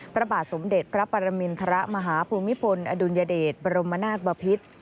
พระบาทสมเด็จพระปรมินทรมาฮภูมิพลอดุลยเดชบรมนาศบพิษ